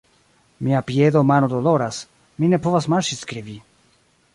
Mia piedo mano doloras, mi ne povas marŝi skribi.